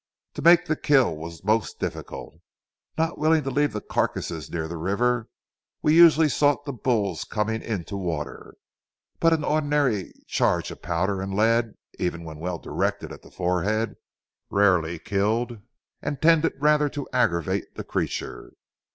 To make the kill was most difficult. Not willing to leave the carcasses near the river, we usually sought the bulls coming in to water; but an ordinary charge of powder and lead, even when well directed at the forehead, rarely killed and tended rather to aggravate the creature.